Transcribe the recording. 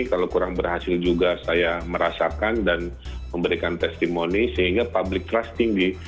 kalau kurang berhasil juga saya merasakan dan memberikan testimoni sehingga public trust tinggi